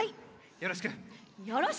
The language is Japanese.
よろしく！